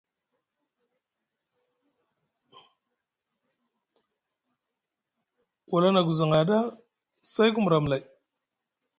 Wala na ku zaŋa ɗa, say ku mra amlay.